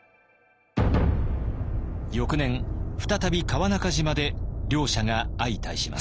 翌年再び川中島で両者が相対します。